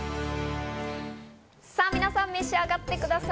さあ皆さん、召し上がってください。